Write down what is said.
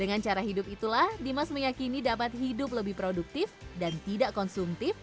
dengan cara hidup itulah dimas meyakini dapat hidup lebih produktif dan tidak konsumtif